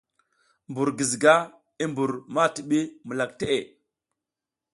Mbur giziga i mbur ma tiɓi mukak te.